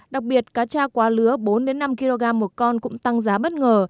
đặc biệt cá cha quá lứa bốn năm kg một con cũng tăng giá bất ngờ